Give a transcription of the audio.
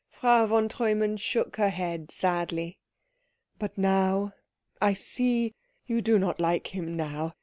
Frau von Treumann shook her head sadly. "But now? I see you do not like him now.